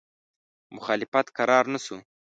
مخالفت کرار نه شو.